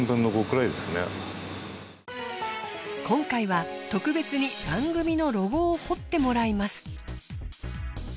今回は特別に番組のロゴを彫ってもらいます。